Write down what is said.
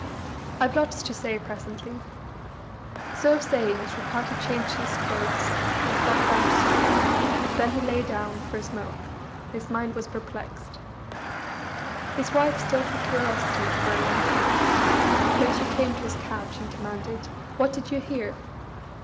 "I've lots to say, presently." So saying, Sripati changed his clothes, and sat down to supper; then he lay dawn for a smoke. His mind was perplexed. His wife stilled her curiosity for a long time; then she came to his couch and demanded: "What did you hear?"